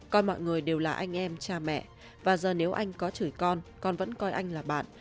coi mọi người đều là anh em cha mẹ và giờ nếu anh có chửi con con vẫn coi anh là bạn